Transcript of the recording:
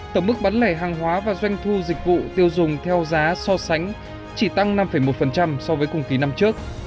tổng mức bán lẻ hàng hóa và doanh thu dịch vụ tiêu dùng theo giá so sánh chỉ tăng năm một so với cùng kỳ năm trước